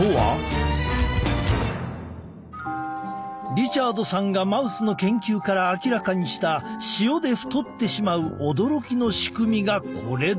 リチャードさんがマウスの研究から明らかにした塩で太ってしまう驚きの仕組みがこれだ。